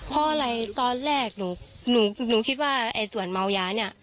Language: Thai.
เพราะอะไรตอนแรกหนูคิดว่าไอ้ส่วนเมายาเนี่ย